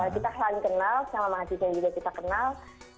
kita selalu kenal sama mahasiswa juga kita kenal